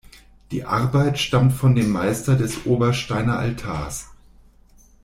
Die Arbeit stammt von dem Meister des Obersteiner Altars.